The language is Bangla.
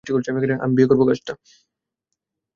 আমি করবো কাজটা!